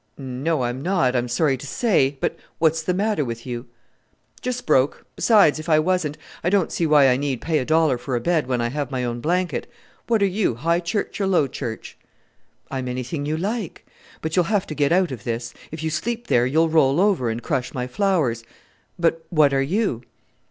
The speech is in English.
"No, I'm not, I'm sorry to say but what's the matter with you?" "Just broke! Besides, if I wasn't, I don't see why I need pay a dollar for a bed when I have my own blanket. What are you High Church or Low Church?" "I'm anything you like; but you'll have to get out of this. If you sleep there you'll roll over and crush my flowers. But what are you?"